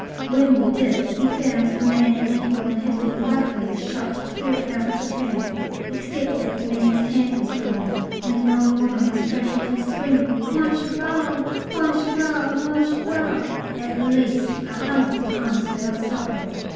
When we did we found the man and woman had been luckily shot out clear of the tram, except that the man's hand was torn, and the old woman was frantically screaming, "Mon cheval, mon cheval, mon cheval," at least a hundred times without stopping.